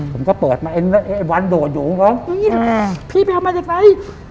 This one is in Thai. ผมก็เปิดมาไอ้วันโดดอยู่ของผมพี่ไปเอามาจากไหน